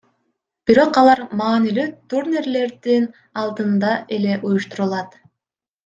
Бирок алар маанилүү турнирлердин алдында эле уюштурулат.